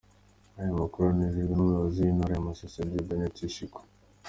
Aya makuru yanemejwe n’Umuyobozi w’Intara ya Masisi, Dieudonné Tshishiku.